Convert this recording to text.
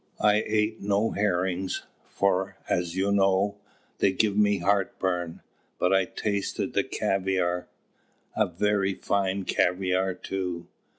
I ate no herrings, for, as you know, they give me heart burn; but I tasted the caviare very fine caviare, too!